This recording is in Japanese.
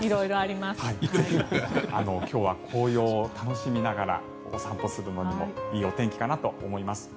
今日は紅葉を楽しみながらお散歩するのにいいお天気かなと思います。